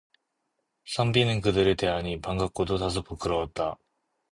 선비는 그들을 대하니 반갑고도 다소 부끄러웠다.